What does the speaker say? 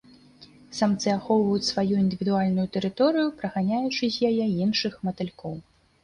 Самцы ахоўваюць сваю індывідуальную тэрыторыю, праганяючы з яе іншых матылькоў.